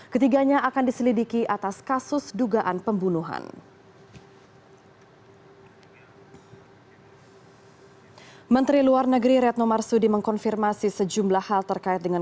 ketiganya akan diselidiki atas kasus dugaan pembunuhan